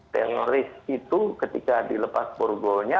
teroris itu ketika dilepas borgonya